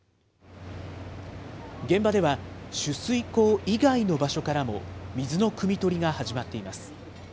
現場では取水口以外の場所からも水のくみ取りが始まっています。